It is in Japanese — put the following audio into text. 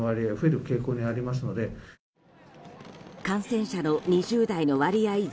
感染者の２０代の割合